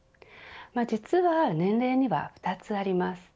実は、年齢には２つあります。